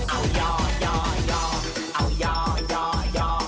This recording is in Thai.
เอาย่อย่อย่อเอาย่อย่อย่อ